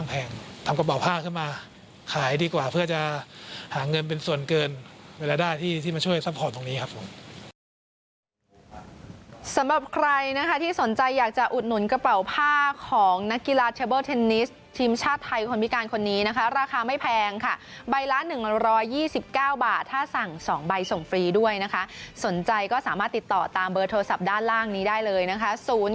สำหรับใครที่สนใจอยากจะอุดหนุนกระเป๋าผ้าของนักกีฬาเทเบิลเทนนิสทีมชาติไทยคนพิการคนนี้นะคะราคาไม่แพงค่ะใบละ๑๒๙บาทถ้าสั่ง๒ใบส่งฟรีด้วยนะคะสนใจก็สามารถติดต่อตามเบอร์โทรศัพท์ด้านล่างนี้ได้เลยนะคะ